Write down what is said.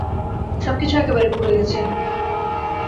সবকিছু একেবারে পুড়ে গেছে।